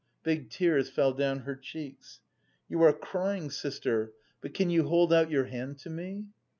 Big tears fell down her cheeks. "You are crying, sister, but can you hold out your hand to me?"